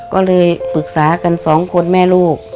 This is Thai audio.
ก็เลยปรึกษากันสองคนแม่ลูก